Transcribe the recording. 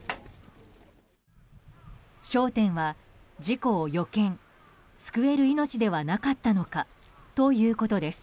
焦点は事故を予見救える命ではなかったのか？ということです。